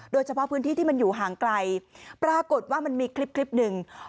โดยเฉพาะพื้นที่ที่มันอยู่ห่างไกลปรากฏว่ามันมีคลิปคลิปหนึ่ง